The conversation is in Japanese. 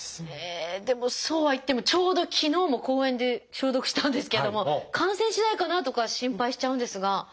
でもそうはいってもちょうど昨日も公園で消毒したんですけれども感染しないかなとか心配しちゃうんですが。